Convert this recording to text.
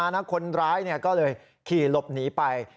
หนูก็ล็อกปิดอยู่นี้ครับ